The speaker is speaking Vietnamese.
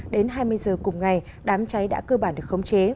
đến hai mươi giờ cùng ngày đám cháy đã cơ bản được khống chế